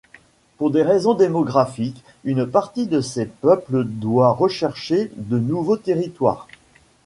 Pour des raisons démographiques, une partie de ces peuples doit rechercher de nouveaux territoires.